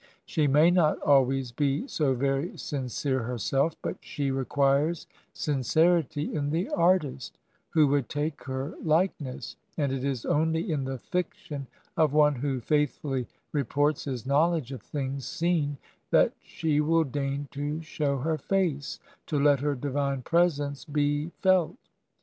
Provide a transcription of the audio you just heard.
She may not always be so very sincere herself, but she re quires sincerity in the artist who would take her like ness, and it is only in the fiction of one who faithfully reports his knowledge of things seen that she will deign to show her face, to let her divine presence be felt.